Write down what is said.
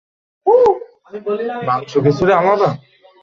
ইরানে শিক্ষা ক্ষেত্রে নারী এবং পুরুষের মধ্যে কোনো বৈষম্য নেই।